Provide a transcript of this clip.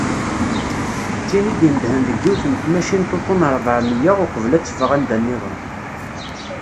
D tin i d-inedhen deg yiwet n tmacint uṭṭun rebεemya, uqbel ad teffeɣ anda-nniḍen.